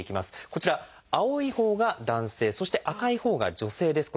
こちら青いほうが男性そして赤いほうが女性です。